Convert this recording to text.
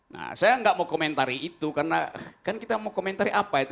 nah saya nggak mau komentari itu karena kan kita mau komentari apa itu